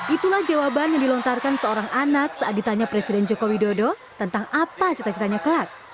itulah jawaban yang dilontarkan seorang anak saat ditanya presiden joko widodo tentang apa cita citanya kelak